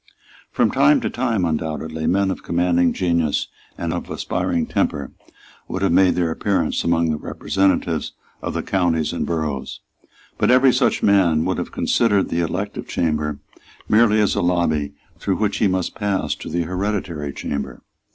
From time to time undoubtedly men of commanding genius and of aspiring temper would have made their appearance among the representatives of the counties and boroughs. But every such man would have considered the elective chamber merely as a lobby through which he must pass to the hereditary chamber.